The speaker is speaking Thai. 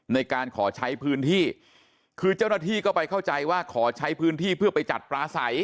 ในการขอใช้พื้นที่คือเจ้าหน้าที่ก็ไปเข้าใจว่าขอใช้พื้นที่เพื่อไปจัดปลาใส